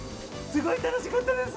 すごい楽しかったです。